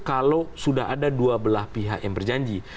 kalau sudah ada dua belah pihak yang berjanji